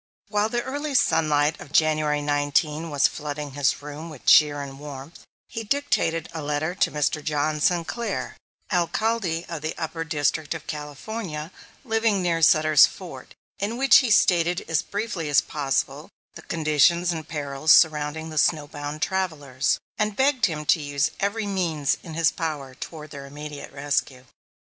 While the early sunlight of January 19 was flooding his room with cheer and warmth, he dictated a letter to Mr. John Sinclair, Alcalde of the Upper District of California, living near Sutter's Fort, in which he stated as briefly as possible the conditions and perils surrounding the snow bound travellers, and begged him to use every means in his power toward their immediate rescue.